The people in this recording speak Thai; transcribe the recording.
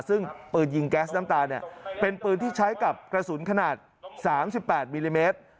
ซึ่งปืนยิงแก๊สน้ำตาเนี่ยเป็นปืนที่ใช้กับกระสุนขนาด๓๘มิลลิเมตร